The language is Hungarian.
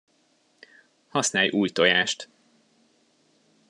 Használj új tojást.